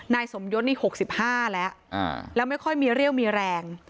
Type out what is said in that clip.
นายสมยศนี่๖๕แล้วแล้วไม่ค่อยมีเรี่ยวมีแรง